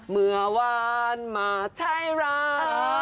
เมื่อวานมาไทยรัก